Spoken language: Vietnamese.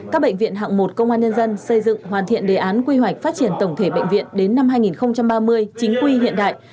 các bệnh viện hạng một công an nhân dân xây dựng hoàn thiện đề án quy hoạch phát triển tổng thể bệnh viện đến năm hai nghìn ba mươi chính quy hiện đại